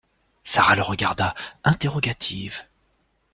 Sara le regarda, interrogative.